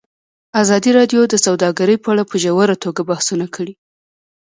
ازادي راډیو د سوداګري په اړه په ژوره توګه بحثونه کړي.